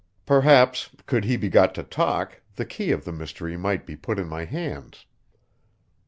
Perhaps, could he be got to talk, the key of the mystery might be put in my hands.